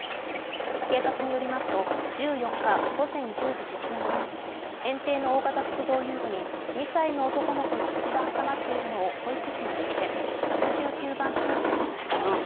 警察によりますと、１４日午前１０時１０分ごろ、園庭の大型複合遊具に２歳の男の子の首が挟まっているのを保育士が見つけ、１１９番通報しました。